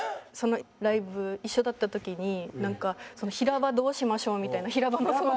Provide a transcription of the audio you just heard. ライブ一緒だった時に「平場どうしましょう？」みたいな平場の相談。